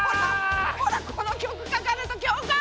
ほらこの曲かかると教官！